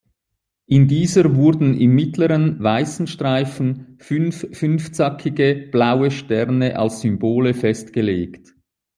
In dieser wurden im mittleren weißen Streifen fünf fünfzackige, blaue Sterne als Symbole festgelegt.